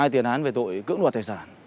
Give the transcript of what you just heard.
hai tiền án về tội cưỡng đoạt thải sản